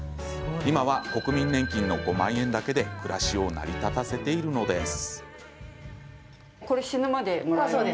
今は国民年金の５万円だけで暮らしを成り立たせているのです。